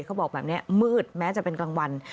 เขาบอกแบบนี้มืดแม้จะเป็นกลางวัน